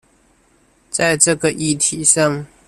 在這個議題上